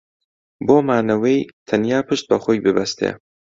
بۆ مانەوەی تەنیا پشت بە خۆی ببەستێ